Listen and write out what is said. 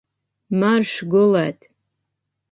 Maršs gulēt!